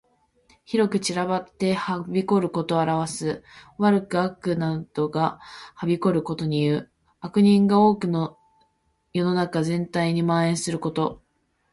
広く散らばってはびこることを表す。多く悪などがはびこることにいう。悪人が多く世の中全体に蔓延ること。